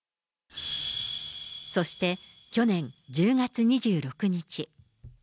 そして去年１０月２６日。